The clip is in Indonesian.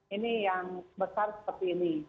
ini yang besar seperti ini